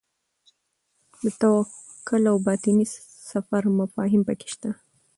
د توکل او باطني سفر مفاهیم پکې شته.